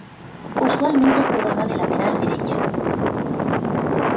Usualmente jugaba de Lateral Derecho.